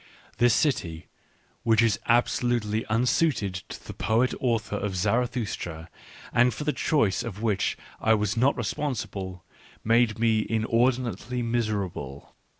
This city, which is absolutely unsuited to the poet author of Zarathustra, and for the choice of which I was not responsible, made me inordinately miserable.